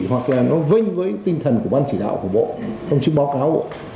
hoặc là nó vênh với tinh thần của ban chỉ đạo của bộ hành trí báo cáo